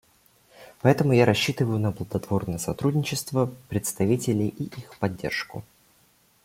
Поэтому я рассчитываю на плодотворное сотрудничество представителей и их поддержку.